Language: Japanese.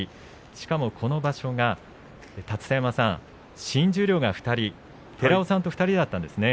しかも、この場所が立田山さん、新十両が２人寺尾さんと２人だったんですね。